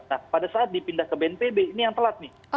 nah pada saat dipindah ke bnpb ini yang telat nih